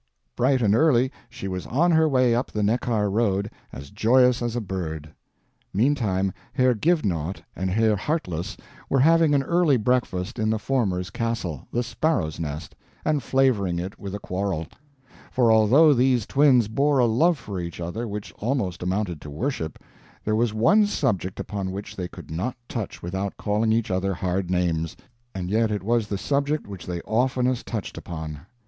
Bright and early she was on her way up the Neckar road, as joyous as a bird. Meantime Herr Givenaught and Herr Heartless were having an early breakfast in the former's castle the Sparrow's Nest and flavoring it with a quarrel; for although these twins bore a love for each other which almost amounted to worship, there was one subject upon which they could not touch without calling each other hard names and yet it was the subject which they oftenest touched upon.